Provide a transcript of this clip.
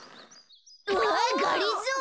あがりぞー！